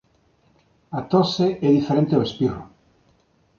A tose é diferente ao espirro.